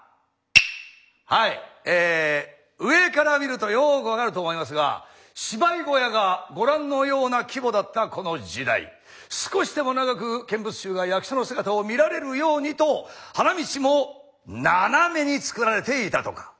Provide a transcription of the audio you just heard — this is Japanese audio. はいえ上から見るとよく分かると思いますが芝居小屋がご覧のような規模だったこの時代少しでも長く見物衆が役者の姿を見られるようにと花道も斜めに作られていたとか。